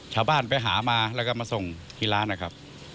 ชาวบ้านไปหามาแล้วก็มาส่งที่ร้านนะครับ